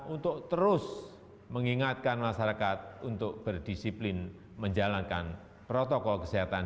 untuk terus mengingatkan masyarakat untuk berdisiplin menjalankan protokol kesehatan